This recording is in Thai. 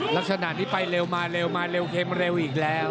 ลักษณะนี้ไปเร็วมาเร็วมาเร็วเข็มเร็วอีกแล้ว